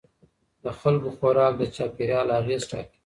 د خلکو خوراک د چاپیریال اغېز ټاکي.